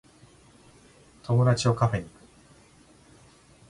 友達をカフェに行く